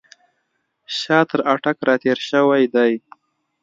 شاه تر اټک را تېر شوی دی.